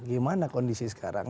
gimana kondisi sekarang